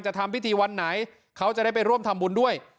ทำพิธีวันไหนเขาจะได้ไปร่วมทำบุญด้วย